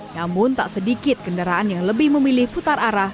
namun tak sedikit kendaraan yang lebih memilih putar arah